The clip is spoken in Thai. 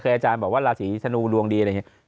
คืออาจารย์บอกว่าราศีธนูดวงดีอะไรอย่างนี้